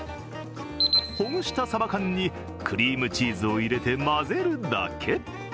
ほぐしたさば缶にクリームチーズを入れて混ぜるだけ。